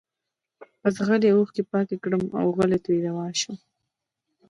بس غلي اوښکي پاکي کړم اوغلی ترې روان شم